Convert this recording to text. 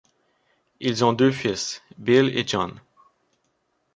Ils ont deux fils, Bill et Jon.